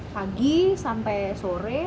pagi sampai sore